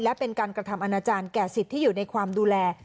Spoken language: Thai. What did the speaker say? และเป็นการกระทำอนาจารย์แก่สิทธิ์ที่อยู่ในความดูแล